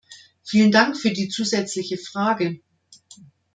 Vielen Dank für die zusätzliche Frage.